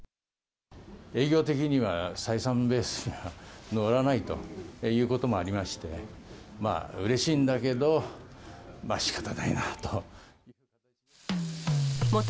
営業的には採算ベースにのらないということもありまして、うれしいんだけど、仕方ないなと。